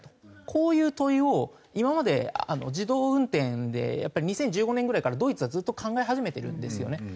こういう問いを今まで自動運転でやっぱり２０１５年ぐらいからドイツはずっと考え始めてるんですよね。